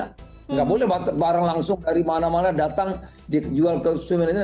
tidak boleh barang langsung dari mana mana datang dijual ke konsumen ini